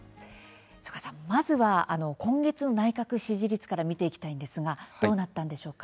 曽我さん、まず今月の内閣支持率から見ていきたいんですがどうだったんでしょうか。